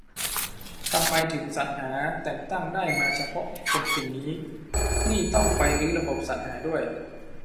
ทำไมถึงสรรหาแต่งตั้งได้มาเฉพาะคนกลุ่มนี้ นี่ต้องไปรื้อระบบสรรหาด้วย